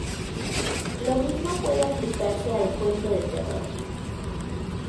Lo mismo puede aplicarse al cuento de terror.